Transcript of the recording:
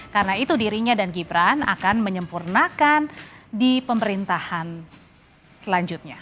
karena itu dirinya dan gibran akan menyempurnakan di pemerintahan selanjutnya